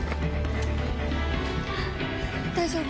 大丈夫？